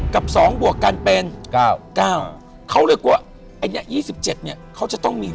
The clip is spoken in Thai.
๗กับ๒บวกการเป็น